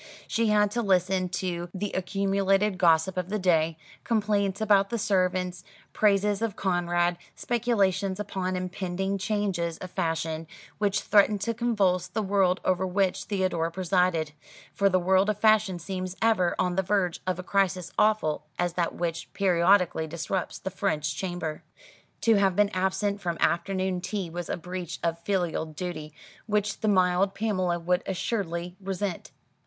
She had to listen to the accumulated gossip of the day complaints about the servants, praises of Conrad, speculations upon impending changes of fashion, which threatened to convulse the world over which Theodore presided; for the world of fashion seems ever on the verge of a crisis awful as that which periodically disrupts the French Chamber. To have been absent from afternoon tea was a breach of filial duty which the mild Pamela would assuredly resent.